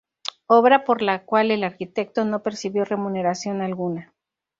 Obra por la cual el arquitecto no recibió remuneración alguna.